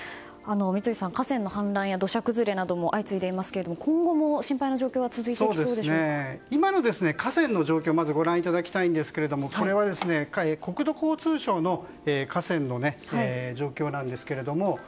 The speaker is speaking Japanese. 三井さん、河川の氾濫や土砂崩れなども相次いでいますけれども今後も心配な状況が今の河川の状況をご覧いただきたいんですがこれは、国土交通省による河川の状況なんですけれども。